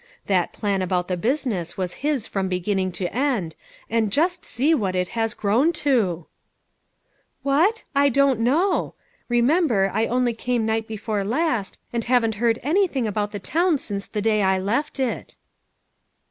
That plan about the business was his from beginning to end, and just see what it has grown to !"" What ? I don't know ; remember, I only came night before last, and haven't heard any thing about the town since the day I left it."